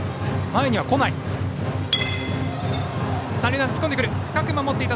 前には来ない。